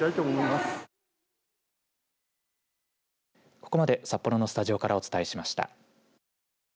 ここまで札幌のスタジオからお伝えしました。